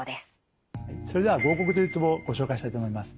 それでは合谷というツボをご紹介したいと思います。